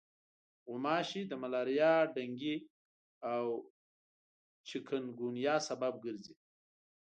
غوماشې د ملاریا، ډنګي او چکنګونیا سبب ګرځي.